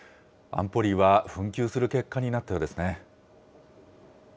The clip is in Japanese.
安保理は紛糾する結果になったようですね。